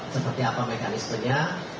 seperti apa mekanismenya